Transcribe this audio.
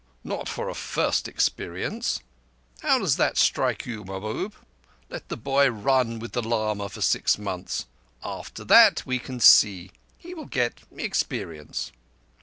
"Not for a first experience. How does that strike you, Mahbub? Let the boy run with the lama for six months. After that we can see. He will get experience."